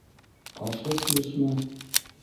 — Ҡашһыҙ килешме?